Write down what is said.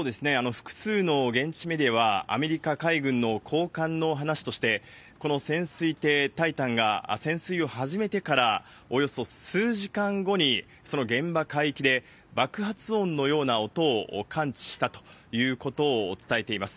複数の現地メディアは、アメリカ海軍の高官の話として、この潜水艇タイタンが潜水を始めてからおよそ数時間後に、その現場海域で爆発音のような音を感知したということを伝えています。